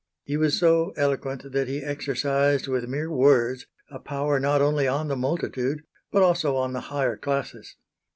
He was so eloquent that he exercised with mere words a power not only on the multitude but also on the higher classes....